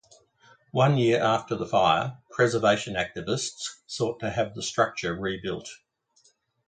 One year after the fire, preservation activists sought to have the structure rebuilt.